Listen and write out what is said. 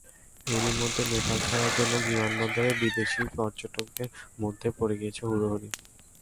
এরই মধ্যে নেপাল ছাড়ার জন্য বিমানবন্দরে বিদেশি পর্যটকদের মধ্যেও পড়ে গেছে হুড়োহুড়ি।